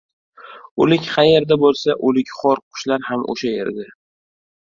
• O‘lik qayerda bo‘lsa, o‘likxo‘r qushlar ham o‘sha yerda.